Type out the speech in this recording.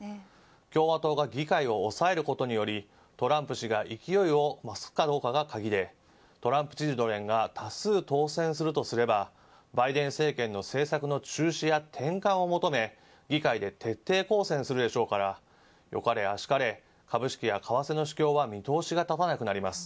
共和党が議会を抑えることによりトランプ氏が勢いを増すかどうかが鍵でトランプチルドレンが多数当選するとすればバイデン政権の政策の中止や転換を求め議会で徹底抗戦するでしょうから善かれあしかれ株式や為替の市況は見通しが立たなくなります。